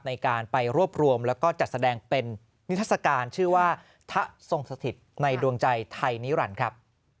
ในการไปรวบรวมแล้วก็จัดแสดงเป็นนิทัศกาลชื่อว่าทะทรงสถิตในดวงใจไทยนิรันดิ์ครับ